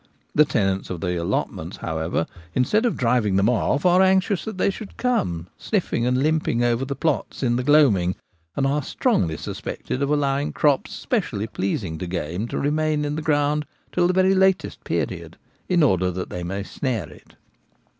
The tenants of the allotments, however, instead of driving them off, are anxious that they should come sniffing and limping over the plots in the gloaming, and are strongly suspected of allow ing crops specially pleasing to game to remain in the ground till the very latest period in order that they may snare it.